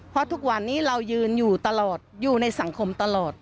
เพราะทุกวันนี้เรายืนอยู่ตลอดอยู่ในสังคมตลอด